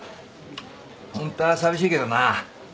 ホントは寂しいけどな。